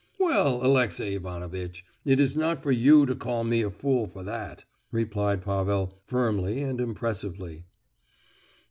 "Well, Alexey Ivanovitch, it is not for you to call me a fool for that," replied Pavel, firmly and impressively.